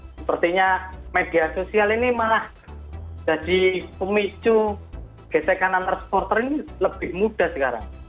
sepertinya media sosial ini malah jadi pemicu gesekan antar supporter ini lebih mudah sekarang